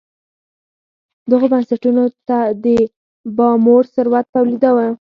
دغو بنسټونو د پاموړ ثروت تولیداوه.